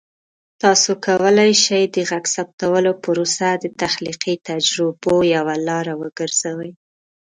تاسو کولی شئ د غږ ثبتولو پروسه د تخلیقي تجربو یوه لاره وګرځوئ.